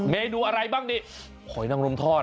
เมนูอะไรบ้างนี่หอยนังรมทอด